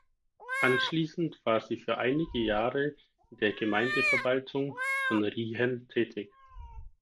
Anschliessend war sie für einige Jahre in der Gemeindeverwaltung von Riehen tätig.